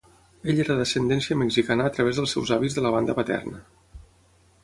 Ell era d'ascendència mexicana a través del seus avis de la banda paterna.